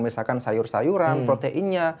misalkan sayur sayuran proteinnya